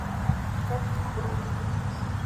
ޑެކްކުރޫ